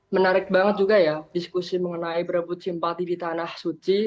menarik banget juga ya diskusi mengenai berebut simpati di tanah suci